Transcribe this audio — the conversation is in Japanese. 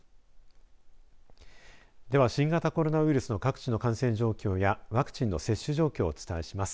では、新型コロナウイルスの各地の感染状況やワクチンの接種状況をお伝えします。